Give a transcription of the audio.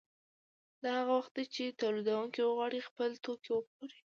دا هغه وخت دی چې تولیدونکي وغواړي خپل توکي وپلوري